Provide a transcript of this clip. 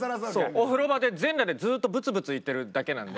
お風呂場で全裸でずっとぶつぶつ言ってるだけなんで。